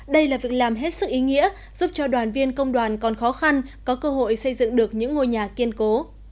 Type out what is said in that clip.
đây là việc làm hết sức ý nghĩa giúp cho đoàn viên công đoàn còn khó khăn có cơ hội xây dựng được những ngôi nhà kiên cố